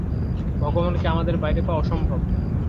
ভগবানকে আমাদের বাইরে পাওয়া অসম্ভব।